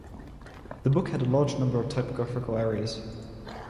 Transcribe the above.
The book had a large number of typographical errors.